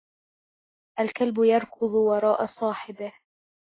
الْكَلْبُ يَرْكَضُ وَراءَ صَاحِبِهُ.